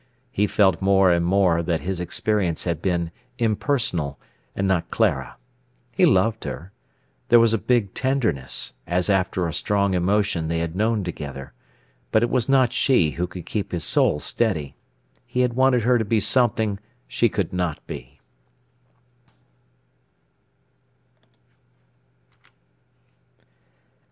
He felt more and more that his experience had been impersonal, and not Clara. He loved her. There was a big tenderness, as after a strong emotion they had known together; but it was not she who could keep his soul steady. He had wanted her to be something she could not be.